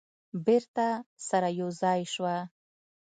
بیرته سره یو ځای شوه.